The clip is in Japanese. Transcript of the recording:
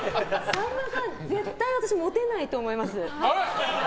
さんまさん、絶対私モテないと思います。